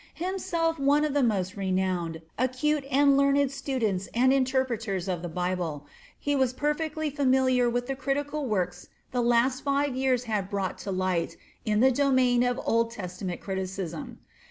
Himself one of the most renowned, acute and learned students and interpreters of the Bible, he was perfectly familiar with the critical works the last five years have brought to light in the domain of Old Testament criticism.